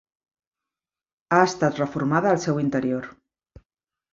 Ha estat reformada al seu interior.